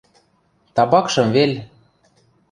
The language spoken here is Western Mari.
Табакшым вел...